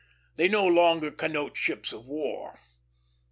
They no longer connote ships of war.